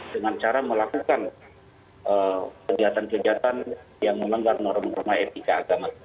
dengan cara melakukan kegiatan kegiatan yang melanggar norma norma etika agama